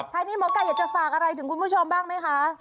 ท้ายนี้หมอไก่อยากจะฝากอะไรถึงคุณผู้ชมบ้างไหมคะ